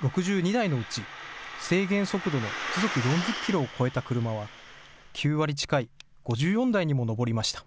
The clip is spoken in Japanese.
６２台のうち、制限速度の時速４０キロを超えた車は９割近い５４台にも上りました。